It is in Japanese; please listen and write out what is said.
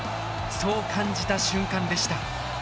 そう感じた瞬間でした。